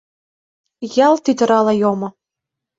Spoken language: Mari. Ялт тӱтырала йомо.